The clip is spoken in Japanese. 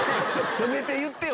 せめて言ってよ